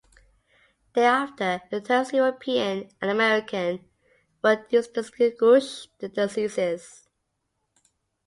Thereafter, the terms European and American were used to distinguish the diseases.